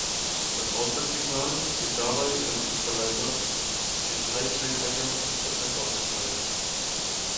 Das Ausgangssignal wird dabei über den Equalizer in den Sidechain-Eingang des Kompressors geschleift.